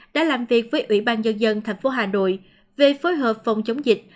đã làm việc với ủy ban nhân dân thành phố hà nội về phối hợp phòng chống dịch